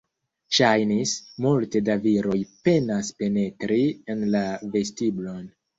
Ŝajnis, multe da viroj penas penetri en la vestiblon.